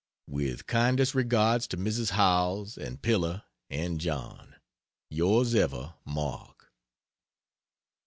With kindest regards to Mrs. Howells, and Pilla and John, Yours Ever MARK.